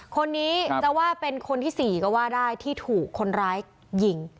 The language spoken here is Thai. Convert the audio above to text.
คนนี้จะว่าเป็นคนที่๔ก็ว่าได้ที่ถูกคนร้ายยิง